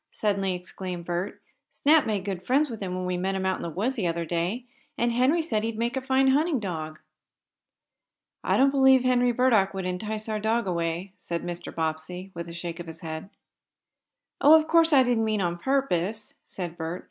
suddenly exclaimed Bert. "Snap made great friends with him when we met him out in the woods the other day, and Henry said he'd make a fine hunting dog." "I don't believe Henry Burdock would entice our dog away," said Mr. Bobbsey, with a shake of his head. "Oh, of course I didn't mean on purpose," said Bert.